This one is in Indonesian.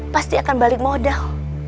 pasti akan balik modal